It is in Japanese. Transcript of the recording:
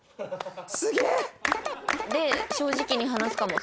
すげえ！で正直に話すかも。